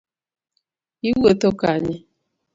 Iwuotho kanye